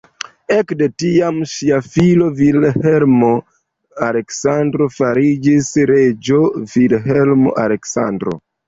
Ekde tiam ŝia filo Vilhelmo-Aleksandro fariĝis reĝo Vilhelmo-Aleksandro.